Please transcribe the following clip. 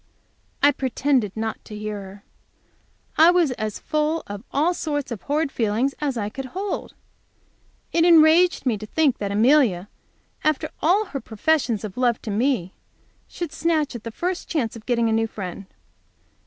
I pretended not to hear her. I was as full of all sorts of horrid feelings as I could hold. It enraged me to think that Amelia, after all her professions of love to me, should snatch at the first chance of getting a new friend.